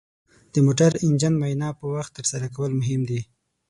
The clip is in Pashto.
د موټر انجن معاینه په وخت ترسره کول مهم دي.